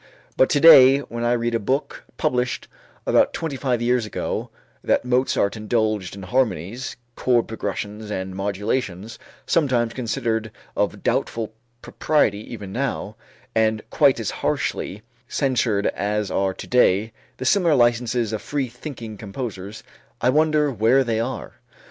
But to day, when I read in a book published about twenty five years ago that Mozart indulged in harmonies, chord progressions and modulations, "sometimes considered of doubtful propriety even now" and "quite as harshly censured as are to day the similar licenses of free thinking composers" I wonder where they are.